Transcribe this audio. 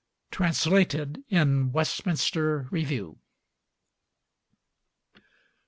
Translated in Westminster Review.